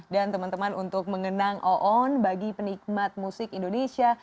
dan teman teman untuk mengenang oon bagi penikmat musik indonesia